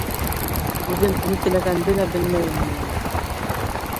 — Үҙем ни теләгәнде лә белмәйемме ни?